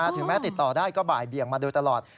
ถึงแม้ติดต่อได้ก็บ่ายเบียงมาโดยตลอด